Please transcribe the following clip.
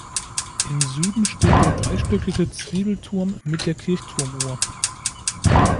Im Süden steht der dreistöckige Zwiebelturm mit der Kirchturmuhr.